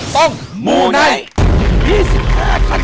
ต้องมูไหน